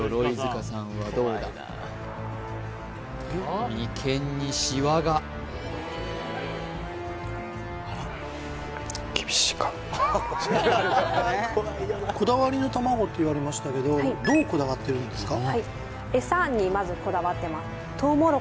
眉間にシワがこだわりの卵って言われましたけどどうこだわってるんですか？